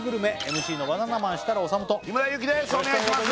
ＭＣのバナナマン設楽統と日村勇紀ですお願いします